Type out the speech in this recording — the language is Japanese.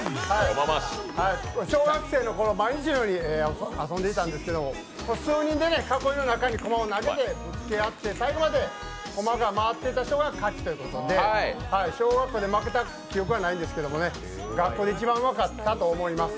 小学生の頃、毎日のように遊んでいたんですけど数人で囲いの中にコマを投げ込んで最後までコマが回っていた人が勝ちということで、小学校で負けた記憶はないんですけど、学校で一番うまかったと思います。